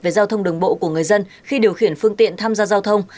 về giao thông đường bộ của người dân khi điều khiển phương tiện tham gia giao thông